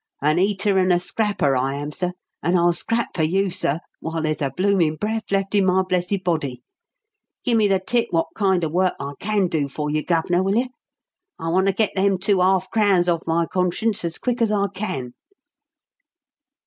An eater and a scrapper I am, sir; and I'll scrap for you, sir, while there's a bloomin' breff left in my blessed body! Gimme the tip wot kind of work I can do for you, Gov'nor, will you? I want to get them two 'arf crowns off my conscience as quick as I can."